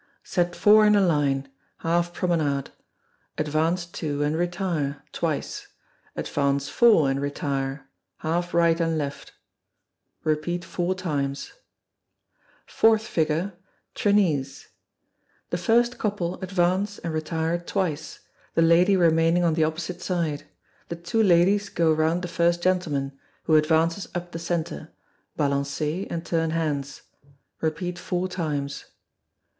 Set four in a line; half promenade. Advance two, and retire (twice). Advance four, and retire; half right and left. (Four times.) Fourth Figure, Trenise. The first couple advance and retire twice, the lady remaining on the opposite side; the two ladies go round the first gentleman, who advances up the centre; balancez and turn hands. (Four times.)